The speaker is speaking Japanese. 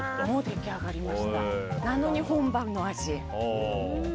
なのに本場の味。